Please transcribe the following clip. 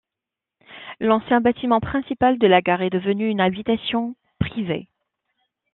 L'ancien bâtiment principal de la gare est devenu une habitation privée.